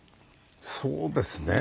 そうですね。